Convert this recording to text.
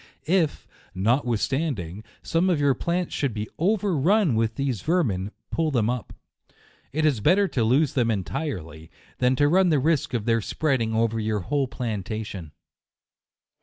If, notwithstanding, some of your plants should be over run with these vermin, pull them up. It is better to lose them entirely, than to run the risk of their spreading over your whole plantation.